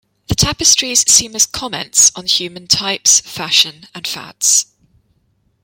The tapestries seem as comments on human types, fashion and fads.